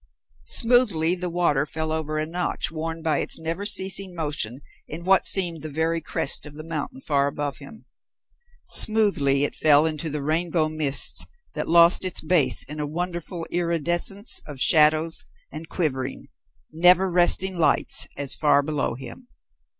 Smoothly the water fell over a notch worn by its never ceasing motion in what seemed the very crest of the mountain far above him. Smoothly it fell into the rainbow mists that lost its base in a wonderful iridescence of shadows and quivering, never resting lights as far below him.